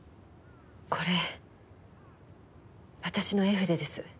これ私の絵筆です。